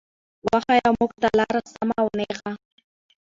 وښايه مونږ ته لاره سمه او نېغه